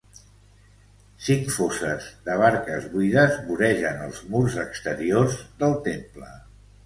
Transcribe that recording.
Cinc fosses de barques, buides, voregen els murs exteriors del temple.